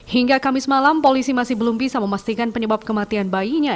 hingga kamis malam polisi masih belum bisa memastikan penyebab kematian bayinya